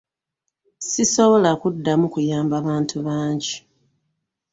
Sisobola kuddamu kuyamba bantu bangi.